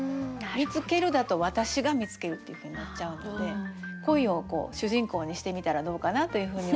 「見つける」だと私が見つけるっていうふうになっちゃうので恋を主人公にしてみたらどうかなというふうに思います。